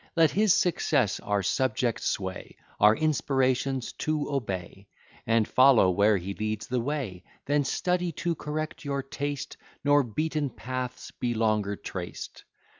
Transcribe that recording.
Let his success our subjects sway, Our inspirations to obey, And follow where he leads the way: Then study to correct your taste; Nor beaten paths be longer traced.